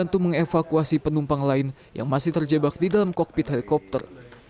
untuk mengevakuasi penumpang lain yang masih terjebak di dalam kokpit helikopter